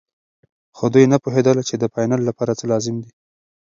خو دوی نه پوهېدل چې د فاینل لپاره څه لازم دي.